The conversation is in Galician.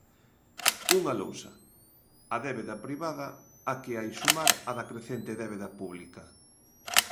Unha lousa, a débeda privada, á que hai sumar a da crecente débeda pública.